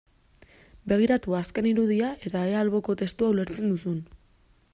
Begiratu azken irudia eta ea alboko testua ulertzen duzun.